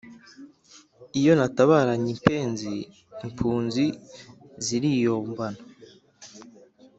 Iyo natabaranye impenzi impunzi ziriyombana